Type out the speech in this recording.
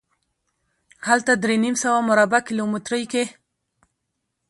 هلته درې نیم سوه مربع کیلومترۍ کې.